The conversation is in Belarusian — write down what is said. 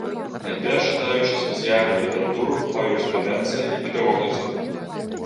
Найперш чытаючы спецыяльную літаратуру па юрыспрудэнцыі і педагогіцы.